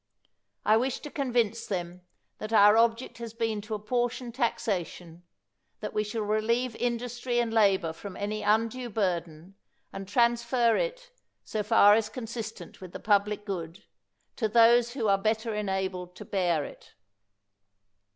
I wish to convince them that our object has been to apportion taxa tion, that we shall relieve industry and labor from any undue burden, and transfer it, so far as is consistent with the public good, to those who are better enabled to bear it.